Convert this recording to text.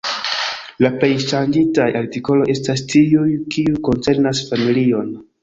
La plej ŝanĝitaj artikoloj estas tiuj, kiuj koncernas familion.